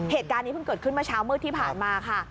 เหตุการณ์นี้เพิ่งเกิดขึ้นเมื่อเช้ามืดที่ผ่านมาค่ะ